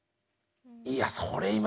いやそれ